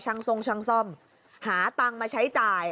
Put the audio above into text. ทรงช่างซ่อมหาตังค์มาใช้จ่าย